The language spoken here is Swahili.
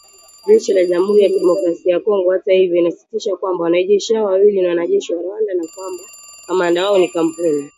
Jeshi la Jamhuri ya Kidemokrasia ya Kongo hata hivyo linasisitiza kwamba wanajeshi hao wawili ni wanajeshi wa Rwanda na kwamba kamanda wao ni kampuni